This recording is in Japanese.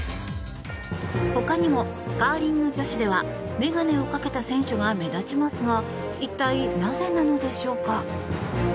他にもカーリング女子ではメガネをかけた選手が目立ちますが一体なぜなのでしょうか。